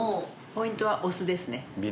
ポイントはお酢ですね。